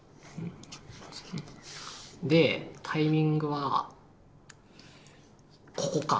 でタイミングはここか。